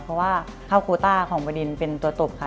เพราะว่าเข้าโคต้าของบดินเป็นตัวตบค่ะ